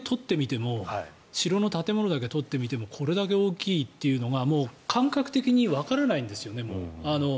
城の建物だけをとってみてもこれだけ大きいというのが感覚的にわからないんですね。